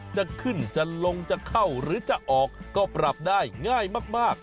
จะขึ้นจะลงจะเข้าหรือจะออกก็ปรับได้ง่ายมาก